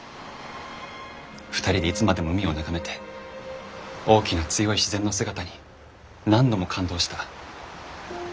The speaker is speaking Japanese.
２人でいつまでも海を眺めて大きな強い自然の姿に何度も感動した。